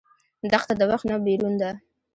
دښته د وخت نه بېرون ده.